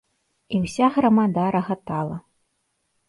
І ўся грамада рагатала.